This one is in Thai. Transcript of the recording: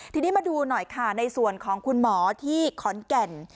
ทีนี้มาดูหน่อยค่ะในส่วนของคุณหมอที่ขอนแก่น